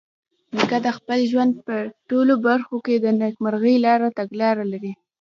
نیکه د خپل ژوند په ټولو برخو کې د نیکمرغۍ لپاره تګلاره لري.